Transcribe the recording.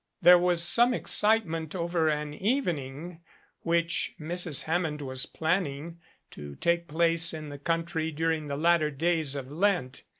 There was some excitement over an evening which Mrs. Hammond was planning to take place in the country during the latter days of Lent.